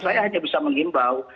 saya hanya bisa mengimbau